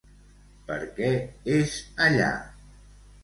Per què és allà?